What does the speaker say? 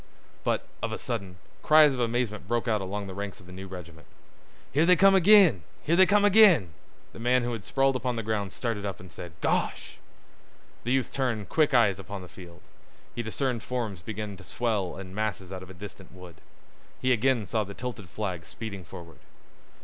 But, of a sudden, cries of amazement broke out along the ranks of the new regiment. "Here they come ag'in! Here they come ag'in!" The man who had sprawled upon the ground started up and said, "Gosh!" The youth turned quick eyes upon the field. He discerned forms begin to swell in masses out of a distant wood. He again saw the tilted flag speeding forward.